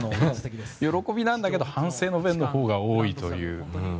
喜びなんだけど反省の弁のほうが多いという。